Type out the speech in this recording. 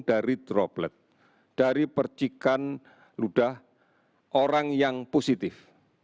dari droplet dari percikan ludah orang yang positif